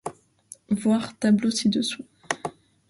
Voir tableau ci-dessous.